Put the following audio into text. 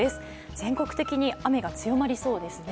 全国的に雨が強まりそうですね。